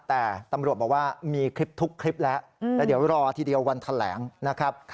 แต่ตำรวจบอกว่ามีคลิปทุกคลิปแล้วแล้วเดี๋ยวรอทีเดียววันแถลงนะครับ